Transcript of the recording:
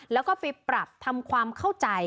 แล้วก็ไปปรับทำความเข้าใจ